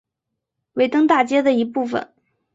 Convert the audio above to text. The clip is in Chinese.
维登大街的一部分。